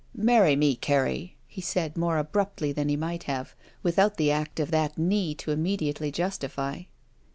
"Marry me, Carrie," he said, more abruptly than he might have, without the act of that knee to imme diately justify.